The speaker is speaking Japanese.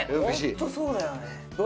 ホントそうだよね。